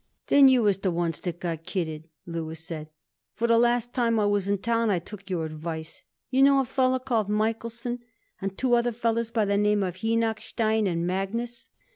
"Then you was the ones what got kidded," Louis said, "for the last time I was in town I took your advice. Do you know a feller called Michaelson? And two other fellers by the name of Henochstein and Magnus?"